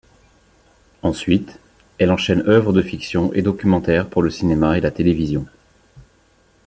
Ensuite, elle enchaîne œuvres de fiction et documentaires pour le cinéma et la télévision.